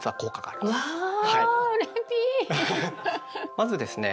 まずですね